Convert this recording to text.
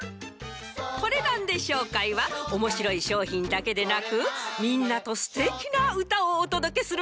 コレナンデ商会はおもしろいしょうひんだけでなくみんなとすてきなうたをおとどけする